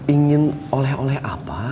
ingin oleh oleh apa